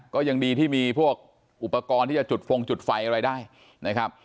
ก็ยังดีที่มีพวกอุปกรณ์ที่จะจุดฟงจุดไฟอะไรได้นะครับ